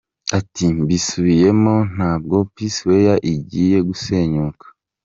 Ati “Mbisubiyemo ntabwo P-Square igiye gusenyuka.